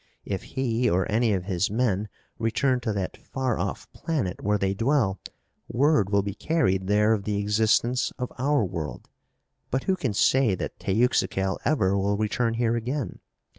If he, or any of his men, return to that far off planet where they dwell word will be carried there of the existence of our world. But who can say that Teuxical ever will return here again?